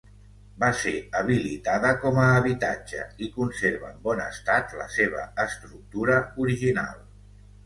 Va ser habilitada com a habitatge i conserva en bon estat la seva estructura original.